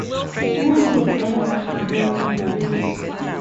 This book came out to glowing reviews.